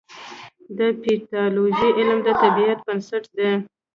د پیتالوژي علم د طب بنسټ دی.